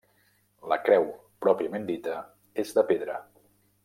La creu pròpiament dita és de pedra.